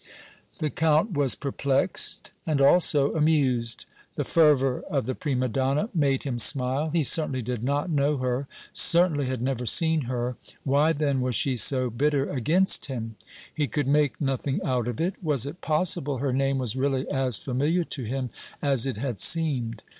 The Count was perplexed and also amused. The fervor of the prima donna made him smile. He certainly did not know her, certainly had never seen her. Why then was she so bitter against him? He could make nothing out of it. Was it possible her name was really as familiar to him as it had seemed?